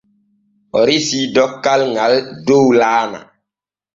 O resii dokkal ŋal dow laana.